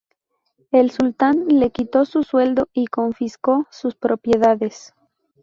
El Sultán le quitó su sueldo y confiscó sus propiedades.